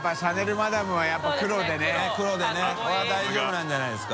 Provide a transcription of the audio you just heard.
仿任これは大丈夫なんじゃないですか？